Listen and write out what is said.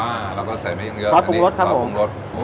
อ้าเราก็ใส่ไม่ยังเยอะรอดปรุงรสครับผม